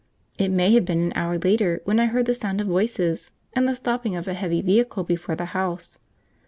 It may have been an hour later when I heard the sound of voices and the stopping of a heavy vehicle before the house.